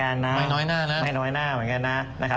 ก็ไม่น้อยหน้านะก็ไม่ง้อยหน้าเหมือนกันนะ